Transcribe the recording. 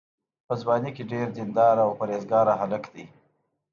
په ځوانۍ کې ډېر دینداره او پرهېزګاره هلک دی.